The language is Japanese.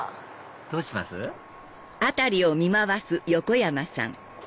どうします？